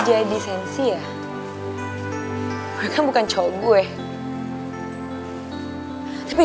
baik selbst yang lancar sekarang